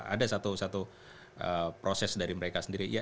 ada satu proses dari mereka sendiri